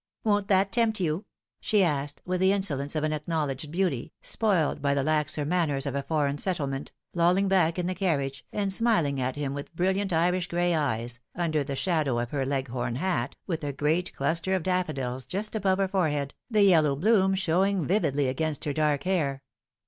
Won't that tempt you ?" she asked, with the insolence of an acknowledged beauty, spoiled by the laxer manners of a foreign settlement, lolling back in the carriage, and smiling at him with brilliant Irish gray eyes, under the shadow of her Leghorn hat, with a great cluster of daffodils just above her forehead, the yellow bloom showing vividly against her dark hair.